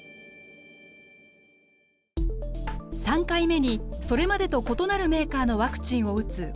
３回目にそれまでと異なるメーカーのワクチンを打つ